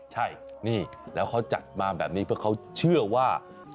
ใช่นี่แล้วเขาจัดมาแบบนี้เพราะเขาเชื่อว่า